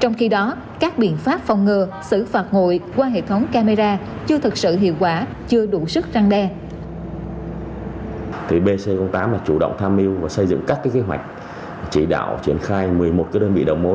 trong khi đó các biện pháp phòng ngừa xử phạt nguội qua hệ thống camera chưa thật sự hiệu quả chưa đủ sức răng đe